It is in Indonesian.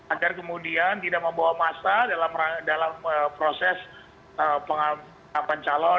agar kemudian tidak membawa masa dalam proses pengambilan calon